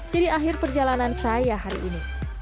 jadi akhir perjalanan saya hari ini